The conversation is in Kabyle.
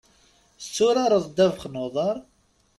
Tetturareḍ ddabex n uḍar?